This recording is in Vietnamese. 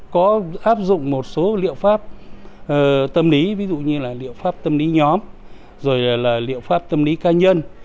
có áp dụng một số liệu pháp tâm lý ví dụ như là liệu pháp tâm lý nhóm rồi là liệu pháp tâm lý cá nhân